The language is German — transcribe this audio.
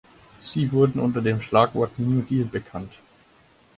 Sie wurden unter dem Schlagwort New Deal bekannt.